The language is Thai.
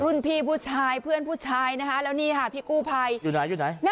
พี่ผู้ชายเพื่อนผู้ชายนะคะแล้วนี่ค่ะพี่กู้ภัยอยู่ไหนอยู่ไหน